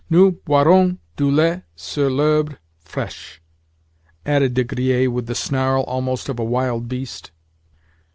"Nous boirons du lait, sur l'herbe fraiche," added De Griers with the snarl almost of a wild beast.